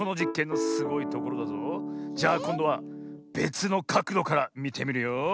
じゃあこんどはべつのかくどからみてみるよ。